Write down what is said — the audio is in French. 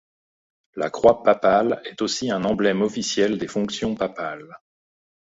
La croix papale est aussi un emblème officiel des fonctions papales.